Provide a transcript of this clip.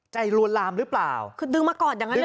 ลวนลามหรือเปล่าคือดึงมากอดอย่างนั้นเลย